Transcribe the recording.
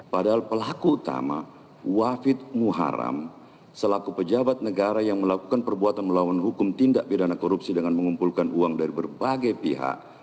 padahal pelaku utama wafid muharam selaku pejabat negara yang melakukan perbuatan melawan hukum tindak pidana korupsi dengan mengumpulkan uang dari berbagai pihak